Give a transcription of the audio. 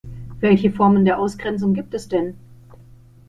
Welche Formen der Ausgrenzung gibt es denn?